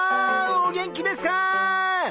お元気ですか！？